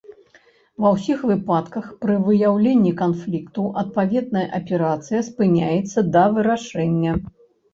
Ва ўсіх выпадках пры выяўленні канфлікту адпаведная аперацыя спыняецца да вырашэння.